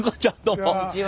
こんにちは。